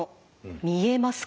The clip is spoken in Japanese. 見えますか？